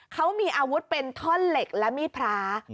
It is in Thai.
เขามีอาวุธเป็นท่อนเหล็กและมีดพระ